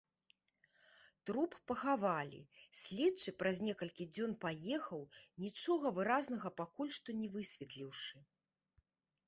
Труп пахавалі, следчы праз некалькі дзён паехаў, нічога выразнага пакуль што не высветліўшы.